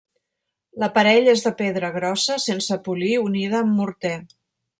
L'aparell és de pedra grossa sense polir unida amb morter.